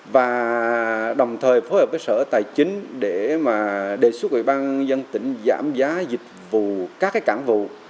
và đồng thời phối hợp với sở tài chính để mà đề xuất ủy ban dân tỉnh giảm giá dịch vụ các cái cảng vụ